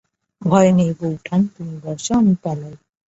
ভয় নাই বোঠান, তুমি বসো, আমি পালাই।